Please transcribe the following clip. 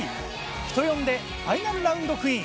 人呼んでファイナルラウンドクイーン。